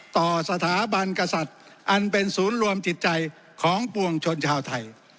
ต่อสถาบันกษัตริย์อันเป็นศูนย์รวมจิตใจของปวงชนชาวไทย